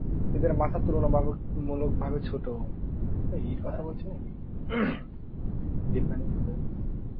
এদের মাথা তুলনামূলকভাবে ছোট।